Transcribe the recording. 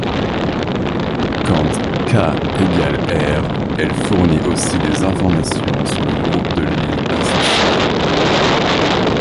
Quand K=R, elle fournit aussi des informations sur le groupe de Lie associé.